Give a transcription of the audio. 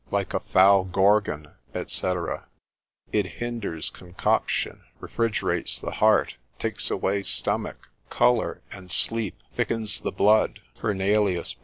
Like a foul Gorgon, &c. It hinders concoction, refrigerates the heart, takes away stomach, colour, and sleep, thickens the blood, (Fernelius, l.